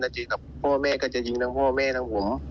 เจอกับพ่อแม่ก็จะยิงทั้งพ่อแม่ทั้งผม